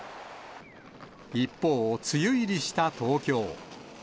一方、梅雨入りした東京。